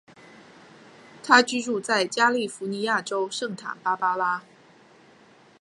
他居住在加利福尼亚州圣塔芭芭拉。